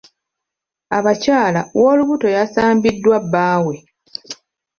Abakyala w'olubuto yasambiddwa bbaawe.